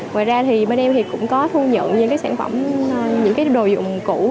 ngoài ra bên em cũng có thu nhận những sản phẩm những đồ dùng cũ